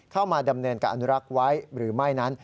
เข้ามาดำเนินการอนุรักษ์ไว้หรือไม่นั้น